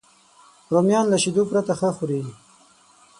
رومیان له شیدو پرته ښه خوري